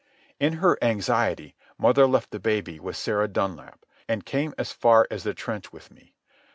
In her anxiety mother left the baby with Sarah Dunlap, and came as far as the trench with me.